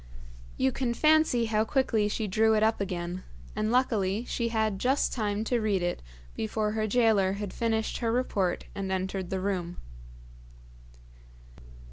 You can fancy how quickly she drew it up again, and luckily she had just time to read it before her gaoler had finished her report and entered the room.